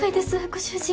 ご主人。